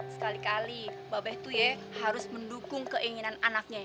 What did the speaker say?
sekali kali babe tuh ya harus mendukung keinginan anaknya